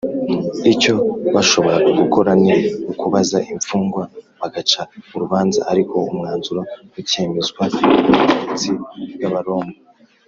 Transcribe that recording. icyo bashoboraga gukora ni ukubaza imfungwa, bagaca urubanza, ariko umwanzuro ukemezwa n’ubutegetsi bw’abaroma